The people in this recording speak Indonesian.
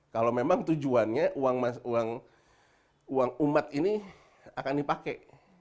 kalau memang tujuannya uang umat ini akan dipakai